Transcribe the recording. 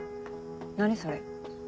何それ。